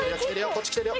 こっちきてるよ。